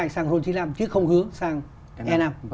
sang ron chín mươi năm chứ không hướng sang e năm